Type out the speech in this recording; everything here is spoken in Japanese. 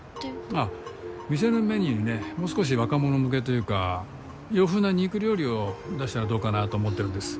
ああ店のメニューにねもう少し若者向けというか洋風な肉料理を出したらどうかなと思ってるんです。